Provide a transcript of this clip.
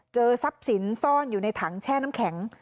เจอทรัพย์สินซ่อนอยู่ในถังแช่น้ำแข็ง